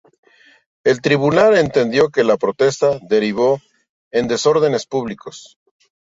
El tribunal entendió que la protesta derivó en desórdenes públicos.